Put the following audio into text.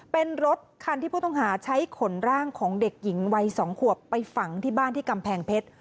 เป็นรถคันที่ผู้ต้องหาใช้ขนร่างของเด็กหญิงวัย๒ขวบไปฝังที่บ้านที่กำแพงเพชร